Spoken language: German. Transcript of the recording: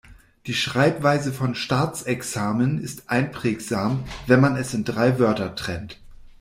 Die Schreibweise von Staatsexamen ist einprägsam, wenn man es in drei Wörter trennt.